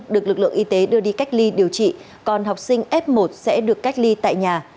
được lực lượng y tế đưa đi cách ly điều trị còn học sinh f một sẽ được cách ly tại nhà